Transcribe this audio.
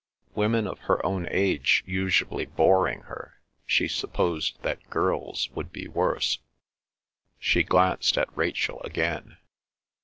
Women of her own age usually boring her, she supposed that girls would be worse. She glanced at Rachel again.